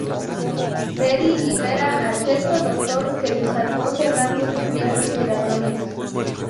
Peri libera al Sexto Doctor, que se salvó cerrando sus vías respiratorias.